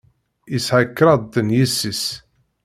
Yesɛa kraḍt n yessi-s.